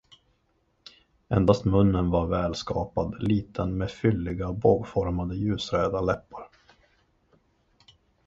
Endast munnen var välskapad, liten med fylliga, bågformade, ljusröda läppar.